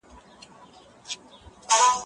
تاچي رخصت واخيست مخ دي واړوی